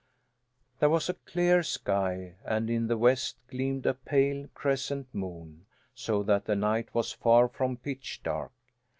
There was a clear sky and in the west gleamed a pale crescent moon, so that the night was far from pitch dark.